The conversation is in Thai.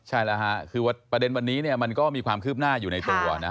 ใช่แล้วค่ะคือประเด็นวันนี้มันก็มีความคืบหน้าอยู่ในตัวนะ